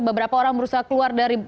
beberapa orang berusaha keluar dari